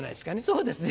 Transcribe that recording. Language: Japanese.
そうですね。